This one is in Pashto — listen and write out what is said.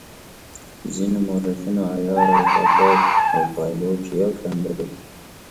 ځینو مورخینو عیار او کاکه او پایلوچ یو شان بللي.